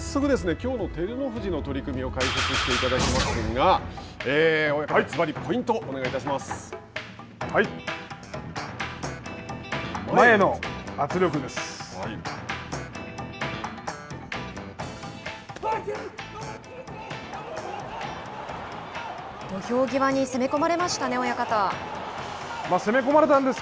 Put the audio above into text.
きょうの照ノ富士の取組を解説していただきますが親方、ずばりポイントをお願いいたします。